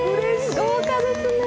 豪華ですね。